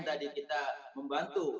tadi kita membantu